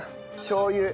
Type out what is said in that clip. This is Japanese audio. しょう油。